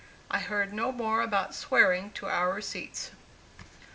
I heard no more about swearing to our receipts.